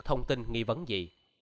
thông tin nghi vấn gì